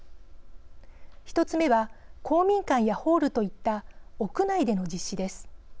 １つ目は公民館やホールといった屋内での実施です。